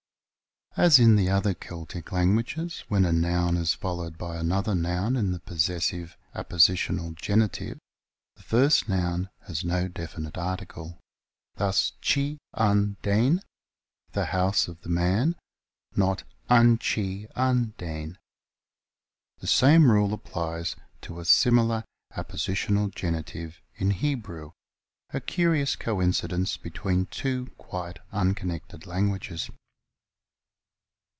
As in the other Celtic languages, when a noun is followed by another noun in the possessive apposi tional genitive, the first noun has no definite article. Thus chy an den, the house of the man, not an chy an den. The same rule applies to a similar apposi tional genitive in Hebrew a curious coincidence between two quite unconnected languages.